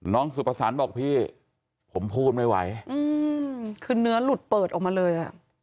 สุภสรรค์บอกพี่ผมพูดไม่ไหวคือเนื้อหลุดเปิดออกมาเลยอ่ะ